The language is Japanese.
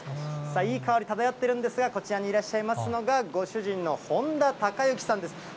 いい香り漂っているんですが、こちらにいらっしゃいますのが、ご主人の本多孝行さんです。